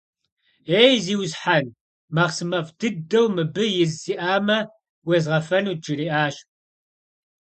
Ей, зиусхьэн, махъсымэфӀ дыдэу мыбы из сиӀамэ, уезгъэфэнут, - жриӀащ.